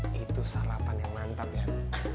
nih itu sarapan yang mantap yan